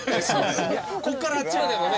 ここからあっちまでのね